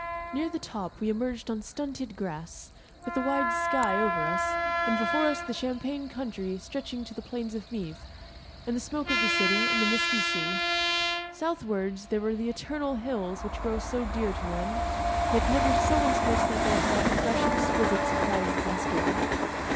Near the top we emerged on stunted grass, with the wide sky over us, and before us the champaign country stretching to the plains of Meath, and the smoke of the city, and the misty sea. Southwards there were the eternal hills which grow so dear to one, yet never so intimate that they have not fresh exquisite surprises in store.